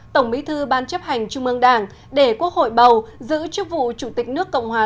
tổng bí thư ban chấp hành trung ương đảng để quốc hội bầu giữ chức vụ chủ tịch nước cộng hòa